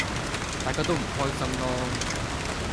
大家都唔開心囉!